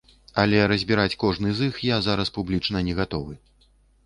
Але разбіраць кожны з іх я зараз публічна не гатовы.